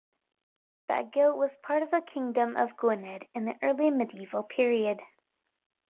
Bagillt was part of the Kingdom of Gwynedd in the early medieval period.